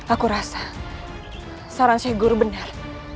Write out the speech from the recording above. aku rasa saran syekh guru benar